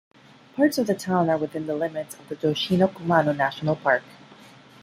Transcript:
Parts of the town are within the limits of the Yoshino-Kumano National Park.